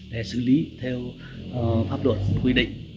để xử lý theo pháp luật quy định